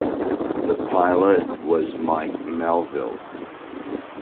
The pilot was Mike Melvill.